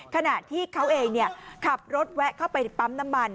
ขณะที่เขาเองขับรถแวะเข้าไปในปั๊มน้ำมัน